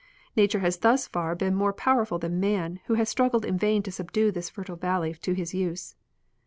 Nature has thus far been more powerful than man, who has struggled in vain to subdue this fertile valley to his use.